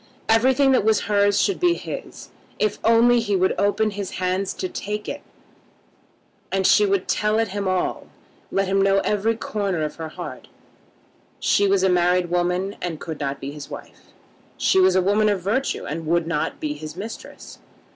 Everything that was hers should be his, if only he would open his hands to take it. And she would tell it him all, let him know every corner of her heart. She was a married woman, and could not be his wife. She was a woman of virtue, and would not be his mistress.